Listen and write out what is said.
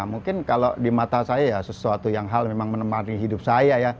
mungkin kalau di mata saya ya sesuatu yang hal memang menemani hidup saya ya